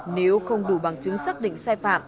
nếu không đủ bằng chứng xác định sai phạm